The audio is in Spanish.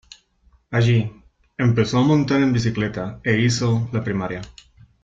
Allí, empezó a montar en bicicleta, e hizo la primaria.